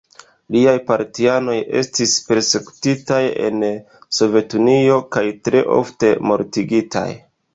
Liaj partianoj estis persekutitaj en Sovetunio, kaj tre ofte mortigitaj.